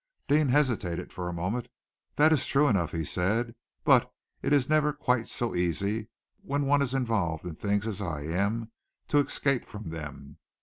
Deane hesitated for a moment. "That is true enough," he said, "but it is never quite so easy, when one is involved in things as I am, to escape from them.